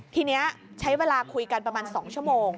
ทีนี้ใช้เวลาคุยกันประมาณ๒ชั่วโมง